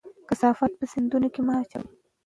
کثافات په سیندونو کې مه اچوئ.